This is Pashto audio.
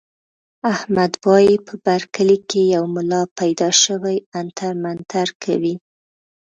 احمد وايي په بر کلي کې یو ملا پیدا شوی عنتر منتر کوي.